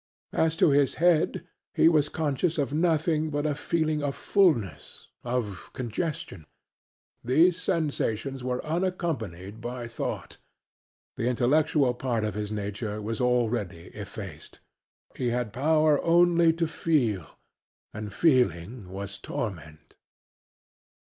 As to his head, he was conscious of nothing but a feeling of fulness of congestion. These sensations were unaccompanied by thought. The intellectual part of his nature was already effaced; he had power only to feel, and feeling was torment.